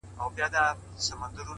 چاته يادي سي كيسې په خـامـوشۍ كــي ـ